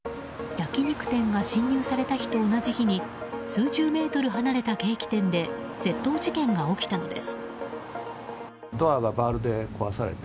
焼き肉店が侵入された日と同じ日に数十メートル離れたケーキ店で窃盗事件が起きたのです。